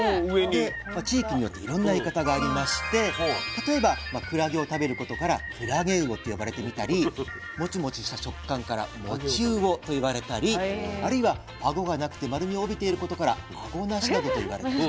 で地域によっていろんな言い方がありまして例えばクラゲを食べることからクラゲウオって呼ばれてみたりモチモチした食感からモチウオと言われたりあるいはアゴがなくて丸みをおびていることからアゴナシなどと言われたりします。